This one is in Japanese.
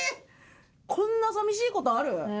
こんな寂しい事ある？